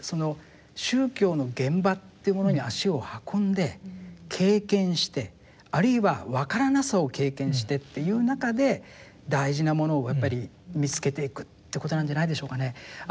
その宗教の現場っていうものに足を運んで経験してあるいはわからなさを経験してっていう中で大事なものをやっぱり見つけていくってことなんじゃないでしょうかね。